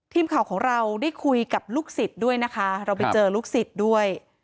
ทีมข่าวของเราได้คุยกับลูกศิษย์ด้วยนะคะเราไปเจอลูกศิษย์ด้วย